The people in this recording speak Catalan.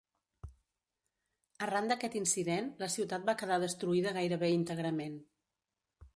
Arran d'aquest incident, la ciutat va quedar destruïda gairebé íntegrament.